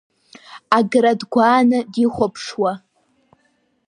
Агра дгәааны дихәаԥшуа.